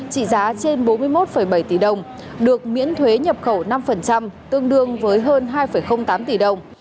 trị giá trên bốn mươi một bảy tỷ đồng được miễn thuế nhập khẩu năm tương đương với hơn hai tám tỷ đồng